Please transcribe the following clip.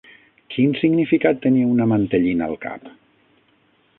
Quin significat tenia una mantellina al cap?